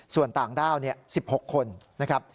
ส่วนต่างด้าว๑๖คนนะครับ